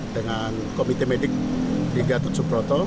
dengan komite medik di gatot subroto